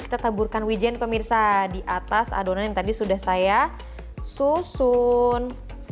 kita taburkan wijen pemirsa di atas adonan yang tadi sudah saya susun